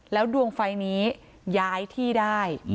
แล้วดวงไฟนี้ย้ายที่ได้